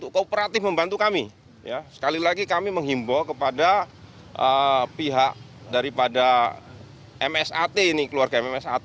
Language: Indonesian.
kita ikuti bersama